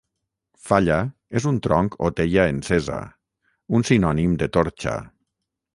Falla és un tronc o teia encesa, un sinònim de torxa.